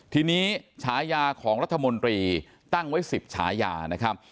ทีนี้ฉายาของรัฐมนตรีตั้งไว้๑๐ฉายานะครับ